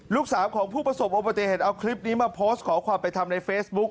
ลูกสาวของผู้ประสบอุบัติเหตุเอาคลิปนี้มาโพสต์ขอความไปทำในเฟซบุ๊ค